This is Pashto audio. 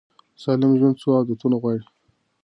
سالم ژوند څو عادتونه غواړي.